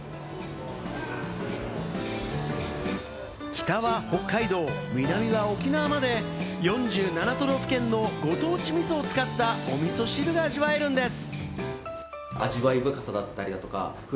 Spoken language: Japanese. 北は北海道、南は沖縄まで４７都道府県のご当地みそを使ったおみそ汁が味わえるんです。